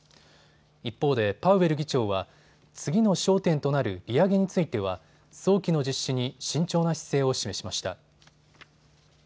一方でパウエル議長は次の焦点となる利上げについては早期の実施に慎重な姿勢を示しました。